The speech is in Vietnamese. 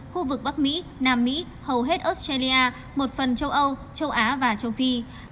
khu vực bắc mỹ nam mỹ hầu hết australia một phần châu âu châu á và châu phi